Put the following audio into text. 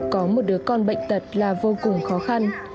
có một đứa con bệnh tật là vô cùng khó khăn